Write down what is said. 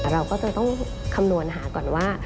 เราก็จะต้องคำนวณหาก่อนว่า